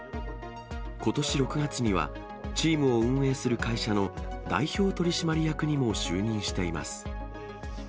ことし６月にはチームを運営する会社の代表取締役にも就任しています。